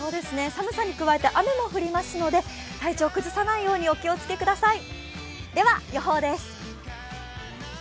寒さに加えて雨も降りますので、体調崩さないようにお気をつけください。